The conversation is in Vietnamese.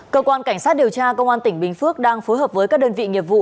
cơ quan cảnh sát điều tra công an tỉnh bình phước đang phối hợp với các đơn vị nghiệp vụ